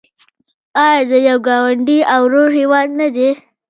آیا د یو ګاونډي او ورور هیواد نه دی؟